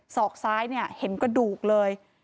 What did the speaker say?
ศอกซ้ายเห็นกระดูกเลย